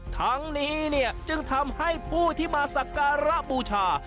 ทั้งนี้เนี่ยจึงทำให้ผู้ที่มาสักการะบูชา